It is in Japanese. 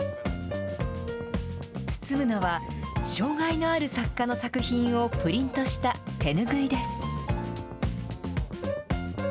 包むのは、障害のある作家の作品をプリントした手拭いです。